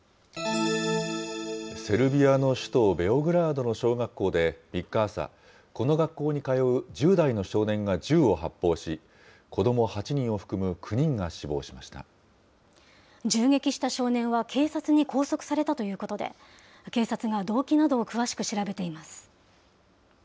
セルビアの首都ベオグラードの小学校で３日朝、この学校に通う１０代の少年が銃を発砲し、子ども８人を含む９人銃撃した少年は警察に拘束されたということで、警察が動機などを詳しく調べています。